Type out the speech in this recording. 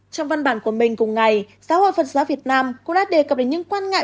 trong văn bản của mình cùng ngày giáo hội phật giáo việt nam cũng đã đề cập đến những quan ngại